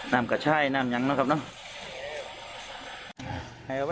น้ำกระช่ายน้ำหยังนะครับน้อง